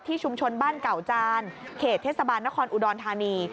ชุมชนบ้านเก่าจานเขตเทศบาลนครอุดรธานี